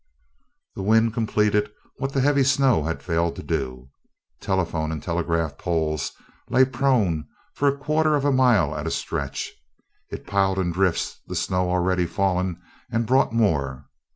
The wind completed what the heavy snow had failed to do. Telephone and telegraph poles lay prone for a quarter of a mile at a stretch. It piled in drifts the snow already fallen and brought more.